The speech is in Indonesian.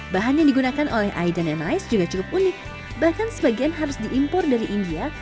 bahan yang digunakan oleh aiden and ice juga cukup unik bahkan sebagian harus diimpor dari india